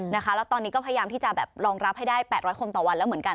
แล้วตอนนี้ก็พยายามที่จะแบบรองรับให้ได้๘๐๐คนต่อวันแล้วเหมือนกัน